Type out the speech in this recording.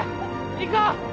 行こう！